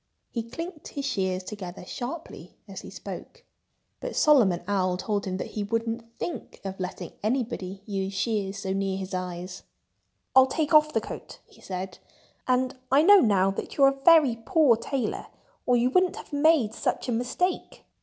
He clinked his shears together sharply as he spoke. But Solomon Owl told him that he wouldn't think of letting anybody use shears so near his eyes. Solomon Found Mr. Frog's Shop Was Closed "I'll take off the coat," he said. "And I know now that you're a very poor tailor, or you wouldn't have made such a mistake."